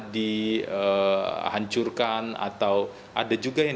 dihancurkan atau ada juga yang